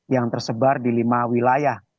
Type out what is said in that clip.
yang tersebar di lima wilayah